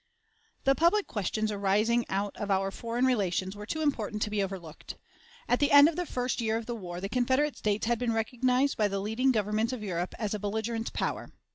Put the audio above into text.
The public questions arising out of our foreign relations were too important to be overlooked. At the end of the first year of the war the Confederate States had been recognized by the leading governments of Europe as a belligerent power.